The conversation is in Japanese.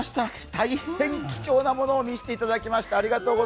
大変貴重なものを見せていただきました。